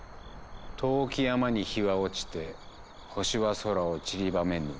「遠き山に日は落ちて星は空を散りばめぬ」。